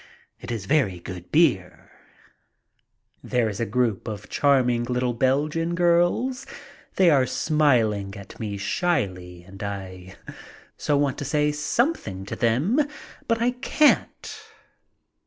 It is very good beer. 114 MY TRIP ABROAD There is a group of charming Httle Belgian girls. They are smiling at me shyly and I so want to say something to them. But I can't.